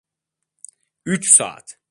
Üç saat.